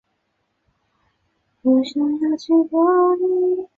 俄亥俄级潜艇是专门为范围扩展后的战略核威慑巡逻而设计的。